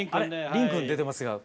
リンくん出てますが。